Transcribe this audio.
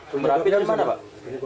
sumber api dari mana pak